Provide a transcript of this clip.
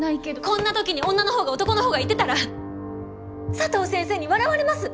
こんな時に「女の方が男の方が」言ってたら佐藤先生に笑われます。